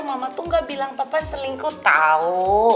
mama tuh gak bilang papa selingkuh tahu